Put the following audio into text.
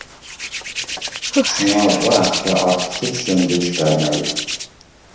شۇڭا بۇ ھەقتە ئارتۇقچە چۈشەندۈرۈش بەرمەي.